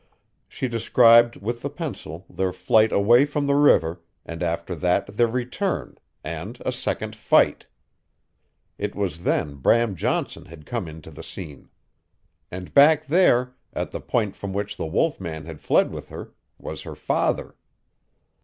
She described with the pencil their flight away from the river, and after that their return and a second fight. It was then Bram Johnson had come into the scene. And back there, at the point from which the wolf man had fled with her, was her FATHER.